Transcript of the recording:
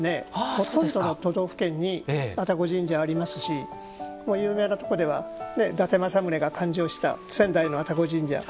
ほとんどの都道府県に愛宕神社ありますし有名なところでは伊達政宗が勧請した仙台の愛宕神社。